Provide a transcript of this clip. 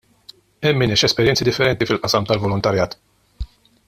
Hemm min għex esperjenzi differenti fil-qasam tal-volontarjat.